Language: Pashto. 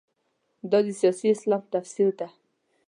دا د سیاسي اسلام تفسیر ده.